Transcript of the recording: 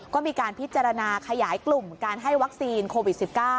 ก็มีการพิจารณาขยายกลุ่มการให้วัคซีนโควิด๑๙